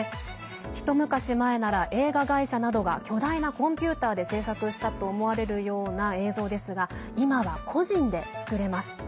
一昔前なら映画会社などが巨大なコンピューターで制作したと思われるような映像ですが今は個人で作れます。